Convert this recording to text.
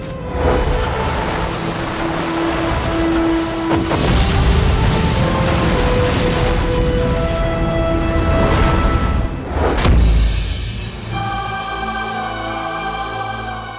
aku akan mencari angin bersamamu